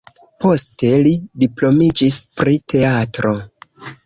Poste li diplomiĝis pri teatro.